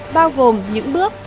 bao gồm những bước